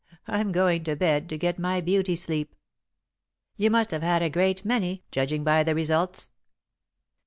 I'm going to bed, to get my beauty sleep." "You must have had a great many, judging by the results."